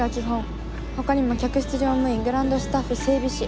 他にも客室乗務員グランドスタッフ整備士